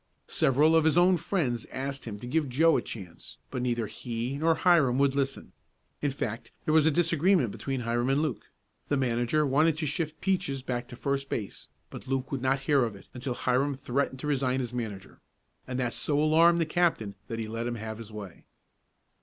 Several of his own friends asked him to give Joe a chance, but neither he nor Hiram would listen. In fact, there was a disagreement between Hiram and Luke. The manager wanted to shift Peaches back to first base but Luke would not hear of it until Hiram threatened to resign as manager, and that so alarmed the captain that he let him have his way.